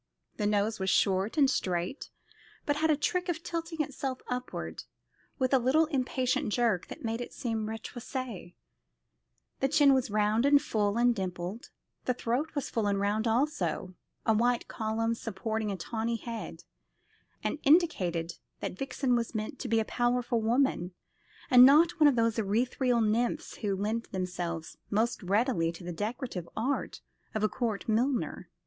The nose was short and straight, but had a trick of tilting itself upward with a little impatient jerk that made it seem retroussé; the chin was round and full and dimpled; the throat was full and round also, a white column supporting the tawny head, and indicated that Vixen was meant to be a powerful woman, and not one of those ethereal nymphs who lend themselves most readily to the decorative art of a court milliner.